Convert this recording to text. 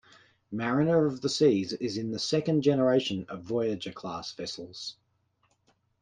"Mariner of the Seas" is in the second generation of "Voyager"-class vessels.